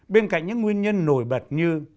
bên cạnh những nguyên nhân nổi bật như